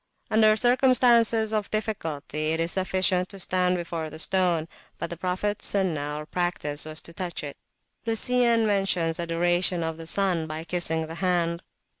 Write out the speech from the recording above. Under circumstances of difficulty, it is sufficient to stand before the stone, but the Prophets Sunnat, or practice, was to touch it. Lucian mentions adoration of the sun by kissing the hand.